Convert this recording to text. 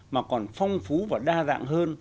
mà còn phong phú và đa dạng hơn